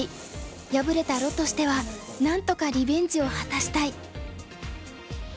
敗れた盧としてはなんとかリベンジを果たしたい。